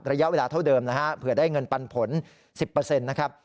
ระยะเวลาเท่าเดิมนะฮะเผื่อได้เงินปันผล๑๐นะครับ